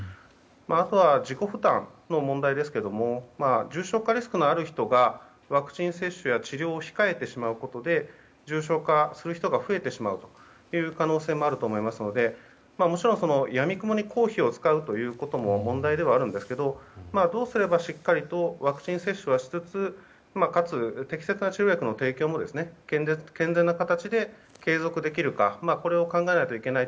あとは自己負担の問題ですが重症化リスクのある人がワクチン接種や治療を控えてしまうことで重症化する人が増えてしまう可能性もあると思いますのでもちろん、やみくもに公費を使うことも問題ではありますがどうすればしっかりとワクチン接種はしつつかつ、適切な治療薬の提供も健全な形で継続できるかこれを考えないといけないと。